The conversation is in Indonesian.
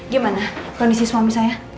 gimana kondisi suami saya